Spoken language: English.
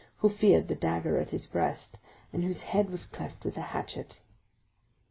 who feared the dagger at his breast, and whose head was cleft with a hatchet.